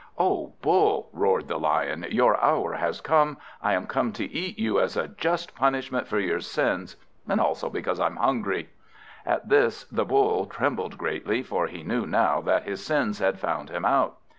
"O Bull!" roared the Lion, "your hour has come. I am come to eat you, as a just punishment for your sins, and also because I am hungry." At this the Bull trembled greatly, for he knew now that his sins had found him out.